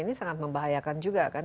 ini sangat membahayakan juga kan